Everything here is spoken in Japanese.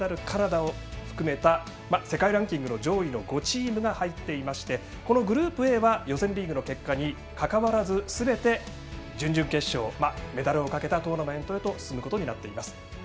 カナダを含めた世界ランキング上位の５チームが入っていましてこのグループＡは予選リーグの結果にかかわらずすべて準々決勝、メダルをかけたトーナメントへと進むことになっています。